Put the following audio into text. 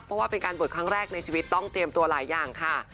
เพราะว่าเป็นการบวชครั้งแรกในชีวิตต้องเตรียมตัวหลายอย่างค่ะ